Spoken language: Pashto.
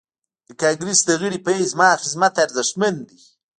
د کانګريس د غړي په حيث زما خدمت ارزښتمن دی.